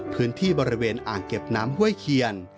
พื้นที่บริเวณอ่างเก็บน้ำห้วยเคียน